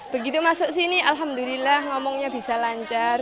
begitu masuk sini alhamdulillah ngomongnya bisa lancar